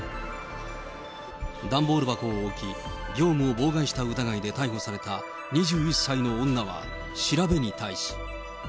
段ボール箱を置き、業務を妨害した疑いで逮捕された２１歳の女は、調べに対し。